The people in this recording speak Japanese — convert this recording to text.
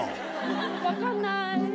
分かんない。